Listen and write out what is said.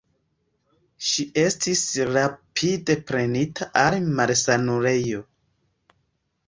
Ŝi estis rapide prenita al malsanulejo.